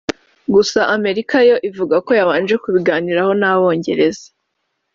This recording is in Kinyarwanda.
Gusa Amerika yo ivuga ko yabanje kubiganiraho n’Abongereza